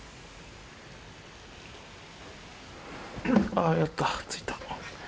あぁやった着いた。